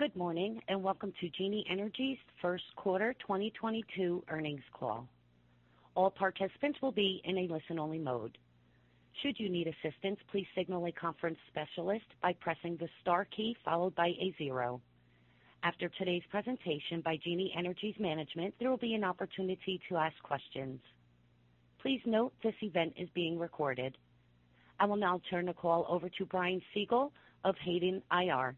Good morning, and welcome to Genie Energy's first quarter 2022 earnings call. All participants will be in a listen-only mode. Should you need assistance, please signal a conference specialist by pressing the star key followed by a zero. After today's presentation by Genie Energy's management, there will be an opportunity to ask questions. Please note this event is being recorded. I will now turn the call over to Brian Siegel of Hayden IR.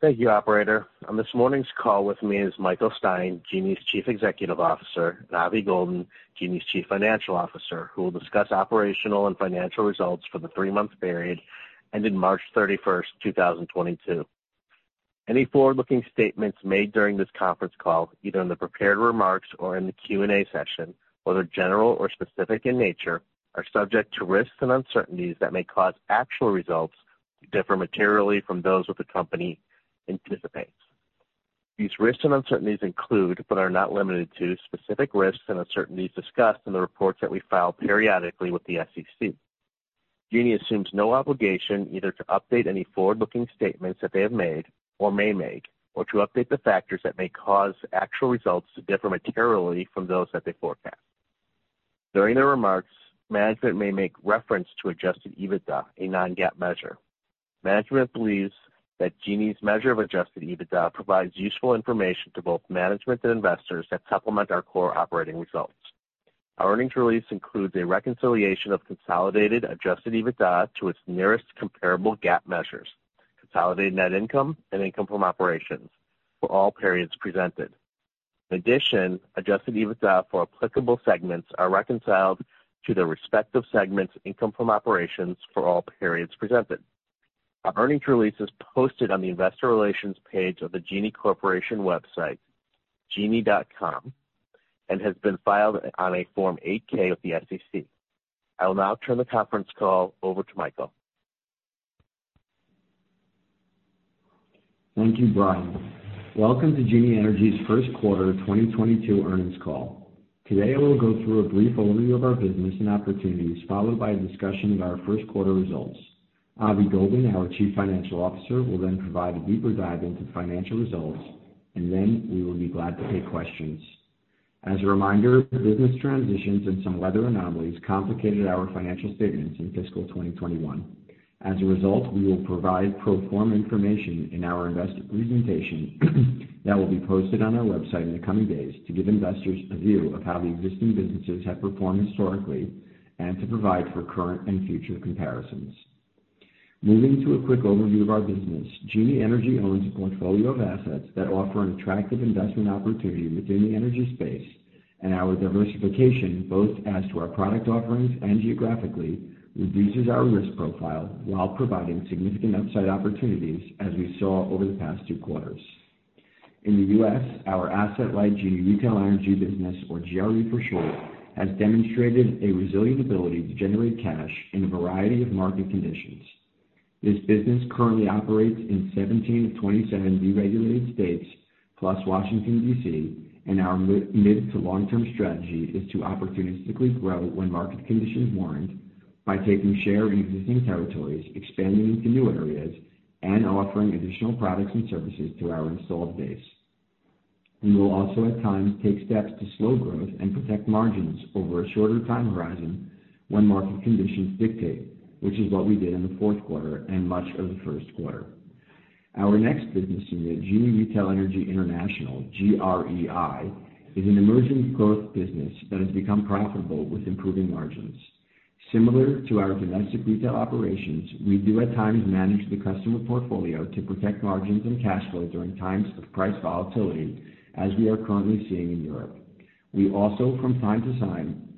Thank you, operator. On this morning's call with me is Michael Stein, Genie's Chief Executive Officer, and Avi Goldin, Genie's Chief Financial Officer, who will discuss operational and financial results for the three-month period ending March 31st, 2022. Any forward-looking statements made during this conference call, either in the prepared remarks or in the Q&A session, whether general or specific in nature, are subject to risks and uncertainties that may cause actual results to differ materially from those that the company anticipates. These risks and uncertainties include, but are not limited to, specific risks and uncertainties discussed in the reports that we file periodically with the SEC. Genie assumes no obligation either to update any forward-looking statements that they have made or may make, or to update the factors that may cause actual results to differ materially from those that they forecast. During their remarks, management may make reference to adjusted EBITDA, a non-GAAP measure. Management believes that Genie's measure of adjusted EBITDA provides useful information to both management and investors that supplement our core operating results. Our earnings release includes a reconciliation of consolidated adjusted EBITDA to its nearest comparable GAAP measures, consolidated net income, and income from operations for all periods presented. In addition, adjusted EBITDA for applicable segments are reconciled to their respective segment's income from operations for all periods presented. Our earnings release is posted on the investor relations page of the Genie Corporation website, genie.com, and has been filed on a Form 8-K with the SEC. I will now turn the conference call over to Michael. Thank you, Brian. Welcome to Genie Energy's first quarter 2022 earnings call. Today I will go through a brief overview of our business and opportunities, followed by a discussion of our first quarter results. Avi Goldin, our Chief Financial Officer, will then provide a deeper dive into the financial results, and then we will be glad to take questions. As a reminder, business transitions and some weather anomalies complicated our financial statements in fiscal 2021. As a result, we will provide pro forma information in our investor presentation that will be posted on our website in the coming days to give investors a view of how the existing businesses have performed historically and to provide for current and future comparisons. Moving to a quick overview of our business, Genie Energy owns a portfolio of assets that offer an attractive investment opportunity within the energy space, and our diversification, both as to our product offerings and geographically, reduces our risk profile while providing significant upside opportunities as we saw over the past two quarters. In the U.S., our asset-light Genie Retail Energy business, or GRE for short, has demonstrated a resilient ability to generate cash in a variety of market conditions. This business currently operates in 17 of 27 deregulated states, plus Washington, D.C., and our mid- to long-term strategy is to opportunistically grow when market conditions warrant by taking share in existing territories, expanding into new areas, and offering additional products and services to our installed base. We will also at times take steps to slow growth and protect margins over a shorter time horizon when market conditions dictate, which is what we did in the fourth quarter and much of the first quarter. Our next business unit, Genie Retail Energy International, GREI, is an emerging growth business that has become profitable with improving margins. Similar to our domestic retail operations, we do at times manage the customer portfolio to protect margins and cash flow during times of price volatility, as we are currently seeing in Europe. We also from time to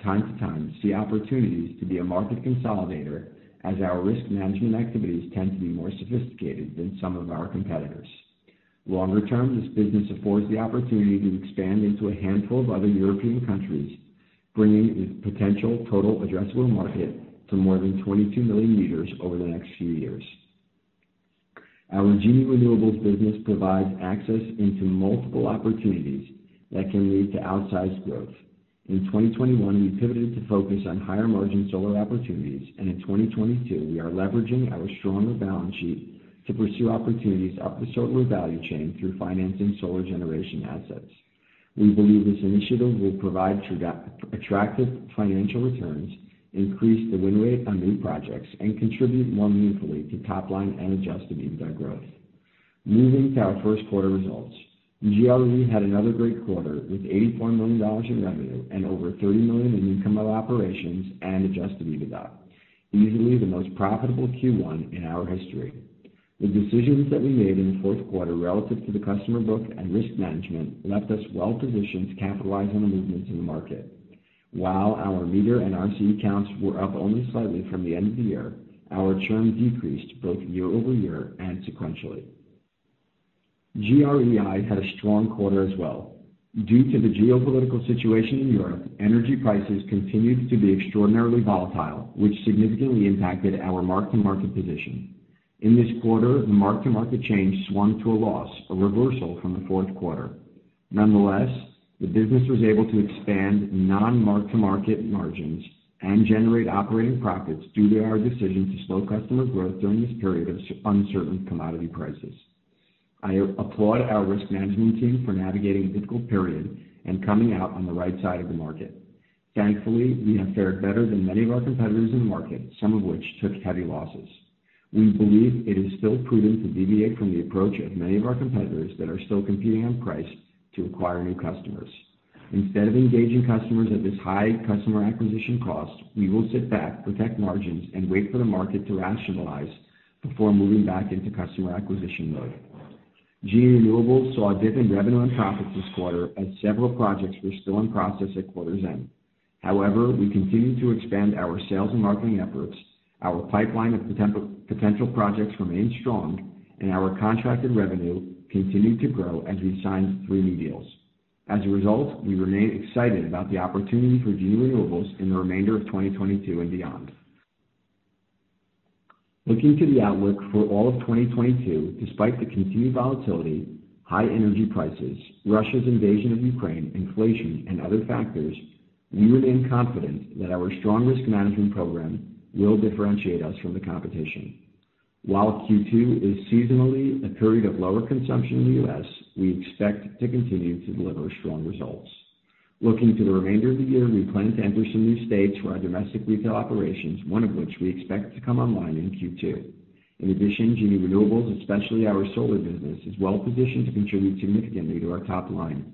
time see opportunities to be a market consolidator as our risk management activities tend to be more sophisticated than some of our competitors. Longer term, this business affords the opportunity to expand into a handful of other European countries, bringing a potential total addressable market to more than 22 million meters over the next few years. Our Genie Renewables business provides access into multiple opportunities that can lead to outsized growth. In 2021, we pivoted to focus on higher-margin solar opportunities, and in 2022, we are leveraging our stronger balance sheet to pursue opportunities up the solar value chain through financing solar generation assets. We believe this initiative will provide attractive financial returns, increase the win rate on new projects, and contribute more meaningfully to top line and adjusted EBITDA growth. Moving to our first quarter results. GRE had another great quarter with $84 million in revenue and over $30 million in income from operations and adjusted EBITDA, easily the most profitable Q1 in our history. The decisions that we made in the fourth quarter relative to the customer book and risk management left us well-positioned to capitalize on the movements in the market. While our meter and RCE counts were up only slightly from the end of the year, our churn decreased both year-over-year and sequentially. GREI had a strong quarter as well. Due to the geopolitical situation in Europe, energy prices continued to be extraordinarily volatile, which significantly impacted our mark-to-market position. In this quarter, the mark-to-market change swung to a loss, a reversal from the fourth quarter. Nonetheless, the business was able to expand non-mark-to-market margins and generate operating profits due to our decision to slow customer growth during this period of uncertain commodity prices. I applaud our risk management team for navigating a difficult period and coming out on the right side of the market. Thankfully, we have fared better than many of our competitors in the market, some of which took heavy losses. We believe it is still prudent to deviate from the approach of many of our competitors that are still competing on price to acquire new customers. Instead of engaging customers at this high customer acquisition cost, we will sit back, protect margins, and wait for the market to rationalize before moving back into customer acquisition mode. Genie Renewables saw a dip in revenue and profits this quarter as several projects were still in process at quarter's end. However, we continue to expand our sales and marketing efforts, our pipeline of potential projects remains strong, and our contracted revenue continued to grow as we signed three new deals. As a result, we remain excited about the opportunity for Genie Renewables in the remainder of 2022 and beyond. Looking to the outlook for all of 2022, despite the continued volatility, high energy prices, Russia's invasion of Ukraine, inflation, and other factors, we remain confident that our strong risk management program will differentiate us from the competition. While Q2 is seasonally a period of lower consumption in the U.S., we expect to continue to deliver strong results. Looking to the remainder of the year, we plan to enter some new states for our domestic retail operations, one of which we expect to come online in Q2. In addition, Genie Renewables, especially our solar business, is well-positioned to contribute significantly to our top line.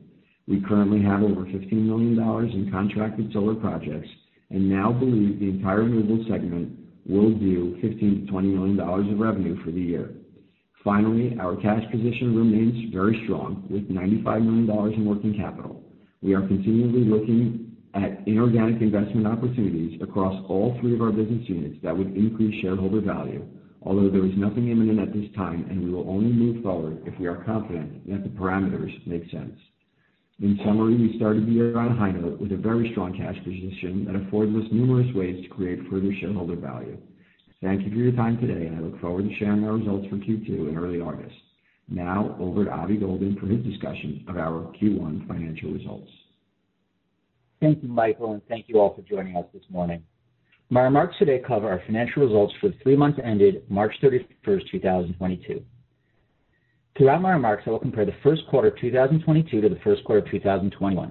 We currently have over $15 million in contracted solar projects and now believe the entire renewables segment will do $15 million-$20 million of revenue for the year. Finally, our cash position remains very strong, with $95 million in working capital. We are continually looking at inorganic investment opportunities across all three of our business units that would increase shareholder value, although there is nothing imminent at this time, and we will only move forward if we are confident that the parameters make sense. In summary, we started the year on a high note with a very strong cash position that affords us numerous ways to create further shareholder value. Thank you for your time today, and I look forward to sharing our results for Q2 in early August. Now over to Avi Goldin for his discussion of our Q1 financial results. Thank you, Michael, and thank you all for joining us this morning. My remarks today cover our financial results for the three months ended March 31, 2022. Throughout my remarks, I will compare the first quarter of 2022 to the first quarter of 2021.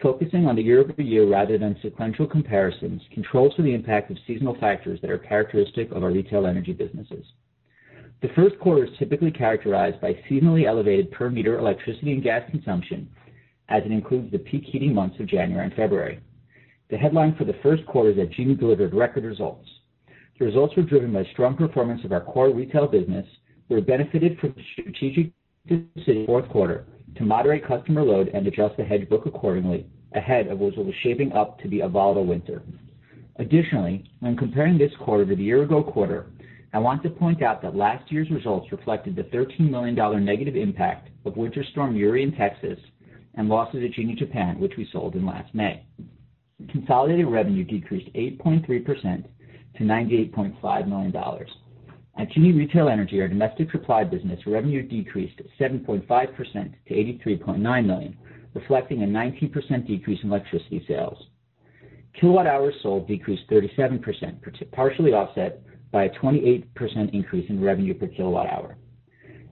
Focusing on the year-over-year rather than sequential comparisons controls for the impact of seasonal factors that are characteristic of our retail energy businesses. The first quarter is typically characterized by seasonally elevated per meter electricity and gas consumption, as it includes the peak heating months of January and February. The headline for the first quarter is that Genie delivered record results. The results were driven by strong performance of our core retail business. We were benefited from the strategic decision in the fourth quarter to moderate customer load and adjust the hedge book accordingly ahead of what was shaping up to be a volatile winter. Additionally, when comparing this quarter to the year-ago quarter, I want to point out that last year's results reflected the $13 million negative impact of Winter Storm Uri in Texas and losses at Genie Japan, which we sold in May 2021. Consolidated revenue decreased 8.3% to $98.5 million. At Genie Retail Energy, our domestic supply business revenue decreased 7.5% to $83.9 million, reflecting a 19% decrease in electricity sales. Kilowatt-hours sold decreased 37%, partially offset by a 28% increase in revenue per kilowatt-hour.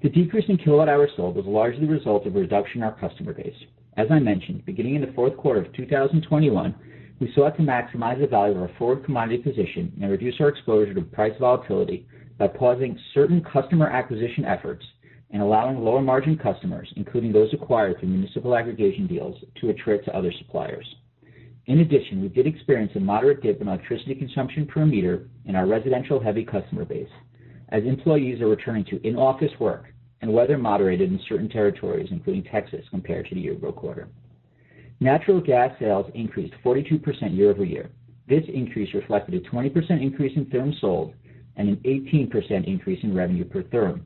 The decrease in kilowatt-hours sold was largely the result of a reduction in our customer base. As I mentioned, beginning in the fourth quarter of 2021, we sought to maximize the value of our forward commodity position and reduce our exposure to price volatility by pausing certain customer acquisition efforts and allowing lower-margin customers, including those acquired through municipal aggregation deals, to attrit to other suppliers. In addition, we did experience a moderate dip in electricity consumption per meter in our residential-heavy customer base as employees are returning to in-office work and weather moderated in certain territories, including Texas, compared to the year-ago quarter. Natural gas sales increased 42% year-over-year. This increase reflected a 20% increase in therm sold and an 18% increase in revenue per therm.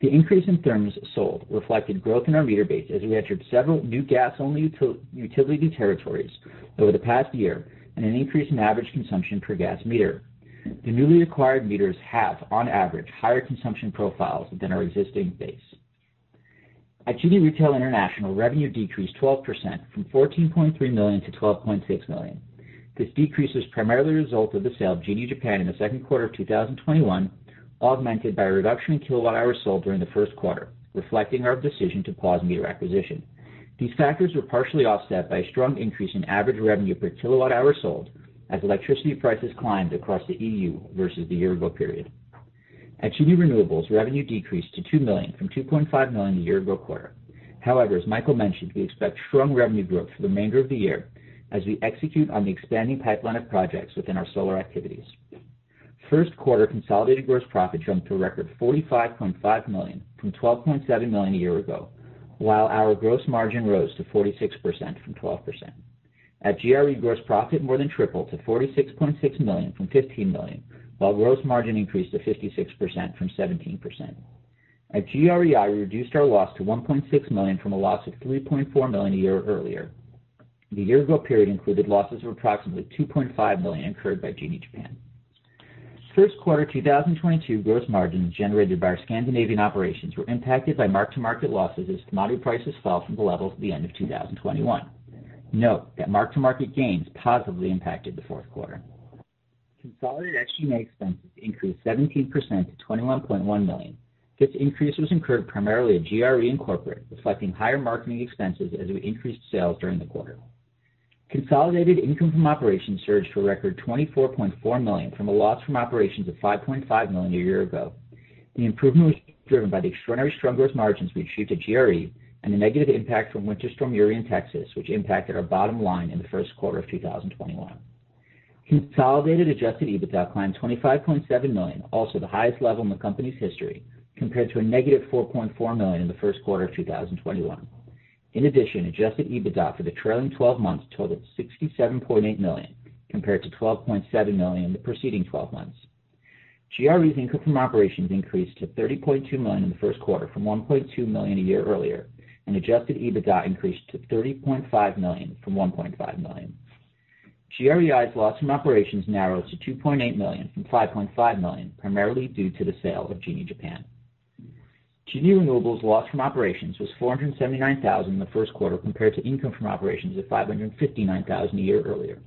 The increase in therms sold reflected growth in our meter base as we entered several new gas-only utility territories over the past year and an increase in average consumption per gas meter. The newly acquired meters have, on average, higher consumption profiles than our existing base. At Genie Retail Energy International, revenue decreased 12% from $14.3 million-$12.6 million. This decrease was primarily a result of the sale of Genie Japan in the second quarter of 2021, augmented by a reduction in kilowatt-hours sold during the first quarter, reflecting our decision to pause meter acquisition. These factors were partially offset by a strong increase in average revenue per kilowatt-hour sold as electricity prices climbed across the EU versus the year-ago period. At Genie Renewables, revenue decreased to $2 million from $2.5 million a year-ago quarter. However, as Michael mentioned, we expect strong revenue growth for the remainder of the year as we execute on the expanding pipeline of projects within our solar activities. First quarter consolidated gross profit jumped to a record $45.5 million from $12.7 million a year ago, while our gross margin rose to 46% from 12%. At GRE, gross profit more than tripled to $46.6 million from $15 million, while gross margin increased to 56% from 17%. At GREI, we reduced our loss to $1.6 million from a loss of $3.4 million a year earlier. The year-ago period included losses of approximately $2.5 million incurred by Genie Japan. First quarter 2022 gross margins generated by our Scandinavian operations were impacted by mark-to-market losses as commodity prices fell from the levels at the end of 2021. Note that mark-to-market gains positively impacted the fourth quarter. Consolidated SG&A expenses increased 17% to $21.1 million. This increase was incurred primarily at GRE, Inc., reflecting higher marketing expenses as we increased sales during the quarter. Consolidated income from operations surged to a record $24.4 million from a loss from operations of $5.5 million a year ago. The improvement was driven by the extraordinary strong gross margins we achieved at GRE and the negative impact from Winter Storm Uri in Texas, which impacted our bottom line in the first quarter of 2021. Consolidated adjusted EBITDA climbed $25.7 million, also the highest level in the company's history, compared to -$4.4 million in the first quarter of 2021. In addition, adjusted EBITDA for the trailing twelve months totaled $67.8 million, compared to $12.7 million in the preceding twelve months. GRE's income from operations increased to $30.2 million in the first quarter from $1.2 million a year earlier, and adjusted EBITDA increased to $30.5 million from $1.5 million. GREI's loss from operations narrowed to $2.8 million from $5.5 million, primarily due to the sale of Genie Japan. Genie Renewables' loss from operations was $479,000 in the first quarter, compared to income from operations of $559,000 a year earlier.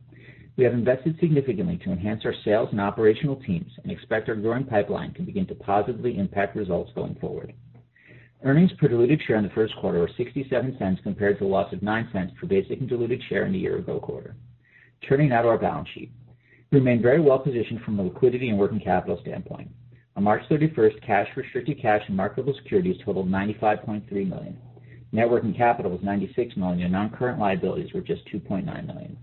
We have invested significantly to enhance our sales and operational teams and expect our growing pipeline can begin to positively impact results going forward. Earnings per diluted share in the first quarter were $0.67 compared to a loss of $0.09 per basic and diluted share in the year-ago quarter. Turning now to our balance sheet. We remain very well positioned from a liquidity and working capital standpoint. On March 31, cash, restricted cash, and marketable securities totaled $95.3 million. Net working capital was $96 million, and non-current liabilities were just $2.9 million.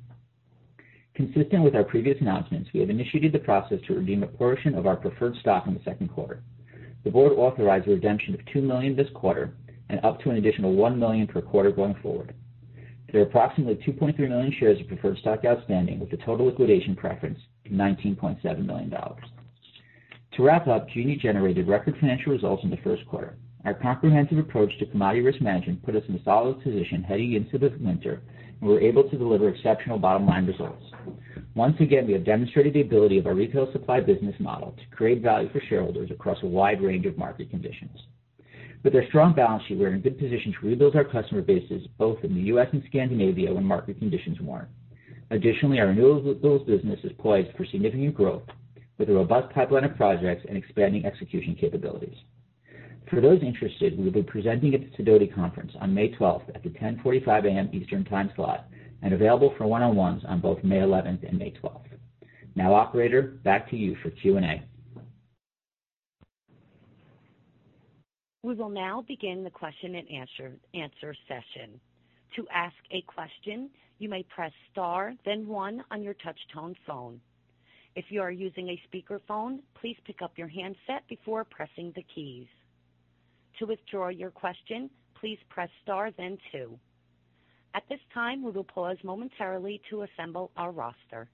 Consistent with our previous announcements, we have initiated the process to redeem a portion of our preferred stock in the second quarter. The board authorized the redemption of $2 million this quarter and up to an additional $1 million per quarter going forward. There are approximately 2.3 million shares of preferred stock outstanding, with a total liquidation preference of $19.7 million. To wrap up, Genie generated record financial results in the first quarter. Our comprehensive approach to commodity risk management put us in a solid position heading into the winter, and we were able to deliver exceptional bottom-line results. Once again, we have demonstrated the ability of our retail supply business model to create value for shareholders across a wide range of market conditions. With a strong balance sheet, we are in good position to rebuild our customer bases, both in the U.S. and Scandinavia, when market conditions warrant. Additionally, our renewables business is poised for significant growth with a robust pipeline of projects and expanding execution capabilities. For those interested, we will be presenting at the Sidoti conference on May 12 at the 10:45 A.M. Eastern Time slot and available for one-on-ones on both May 11 and May 12. Now, operator, back to you for Q&A. We will now begin the question and answer session. To ask a question, you may press star then one on your touchtone phone. If you are using a speakerphone, please pick up your handset before pressing the keys. To withdraw your question, please press star then two. At this time, we will pause momentarily to assemble our roster.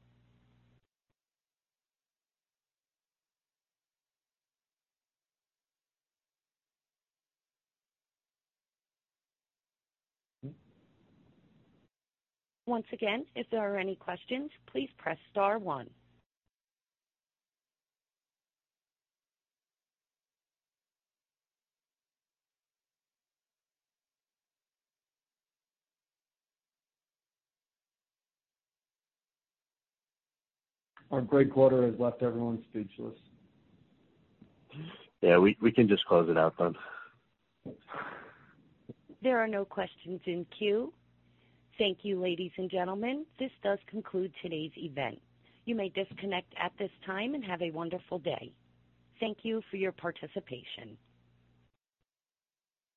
Once again, if there are any questions, please press star one. Our great quarter has left everyone speechless. Yeah, we can just close it out then. There are no questions in queue. Thank you, ladies and gentlemen. This does conclude today's event. You may disconnect at this time and have a wonderful day. Thank you for your participation.